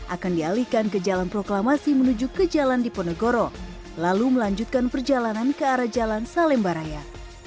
akan dialihkan ke jalan proklamasi menuju ke jalan diponegoro lalu melanjutkan perjalanan ke arah jalan salemba raya